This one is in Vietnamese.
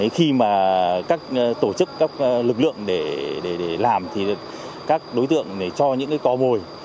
khi mà các tổ chức các lực lượng để làm thì các đối tượng cho những co mồi